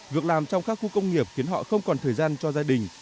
việc làm trong các khu công nghiệp khiến họ không còn thời gian cho gia đình